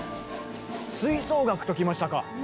吹奏楽ときましたか！